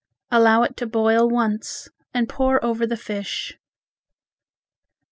Allow it to boil once and pour over the fish.